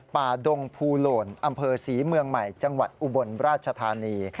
ดงภูโหล่นอำเภอศรีเมืองใหม่จังหวัดอุบลราชธานี